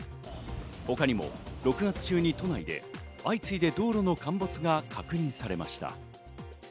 他にも、６月中に都内で相次いで道路の陥没が確認されました。